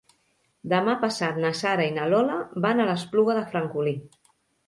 Demà passat na Sara i na Lola van a l'Espluga de Francolí.